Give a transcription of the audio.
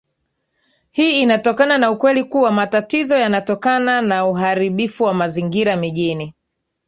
Hii inatokana na ukweli kuwa matatizo yanayotokana na uharibifu wa mazingira mijini